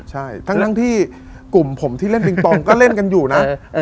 ใช่ทั้งที่กลุ่มผมที่เล่นปิงปองก็เล่นกันอยู่นะ